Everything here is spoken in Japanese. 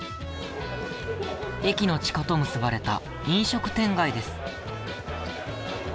駅の地下と結ばれた飲食店街です。